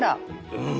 うん！